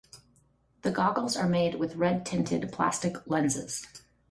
The goggles are made with red-tinted plastic lenses.